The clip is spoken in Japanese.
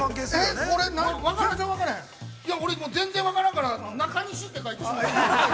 ◆いや、俺もう全然分からへんから、「なかにし」って書いてしまった。